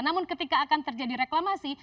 namun ketika akan terjadi reklamasi